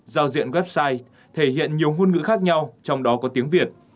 giao diện website thể hiện nhiều ngôn ngữ khác nhau trong đó có tiếng việt